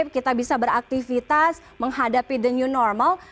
kita bisa beraktivitas menghadapi the new normal